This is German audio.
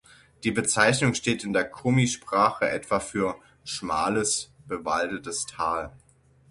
Die Bezeichnung steht in der Komi-Sprache etwa für "schmales, bewaldetes Tal".